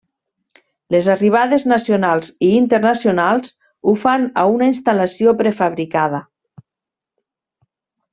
Les arribades nacionals i internacionals ho fan a una instal·lació prefabricada.